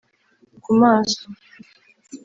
Ku maso